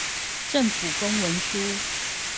政府公文書